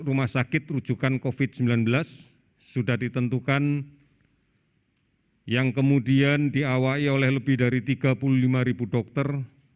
rumah sakit rujukan covid sembilan belas sudah ditentukan yang kemudian diawai oleh lebih dari tiga puluh lima ribu dokter